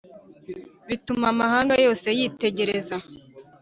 Bituma amahanga yose yitegereza